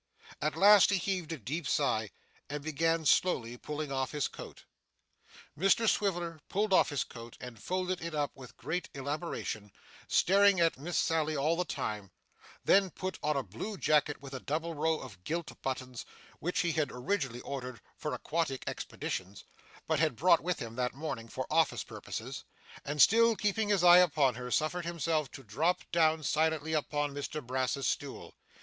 At last he heaved a deep sigh, and began slowly pulling off his coat. Mr Swiveller pulled off his coat, and folded it up with great elaboration, staring at Miss Sally all the time; then put on a blue jacket with a double row of gilt buttons, which he had originally ordered for aquatic expeditions, but had brought with him that morning for office purposes; and, still keeping his eye upon her, suffered himself to drop down silently upon Mr Brass's stool.